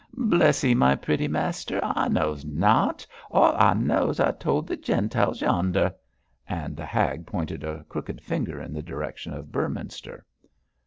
'Bless 'ee, my pretty master, I knows nought; all I knows I told the Gentiles yonder,' and the hag pointed a crooked finger in the direction of Beorminster.